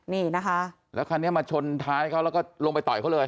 นี่นะคะแล้วคันนี้มาชนท้ายเขาแล้วก็ลงไปต่อยเขาเลย